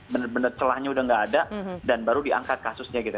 benar benar celahnya udah nggak ada dan baru diangkat kasusnya gitu